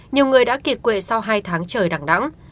nhiều người đã kiệt quệ sau hai tháng trời đẳng đẳng